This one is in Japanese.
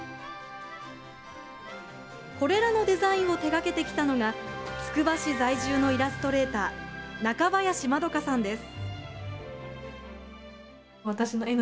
これらのデザインを手掛けてきたのがつくば市在住のイラストレーター中林まどかさんです。